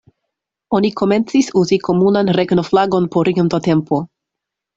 Oni komencis uzi komunan regno-flagon por iom da tempo.